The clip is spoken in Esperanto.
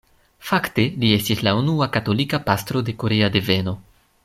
Fakte li estis la unua katolika pastro de korea deveno.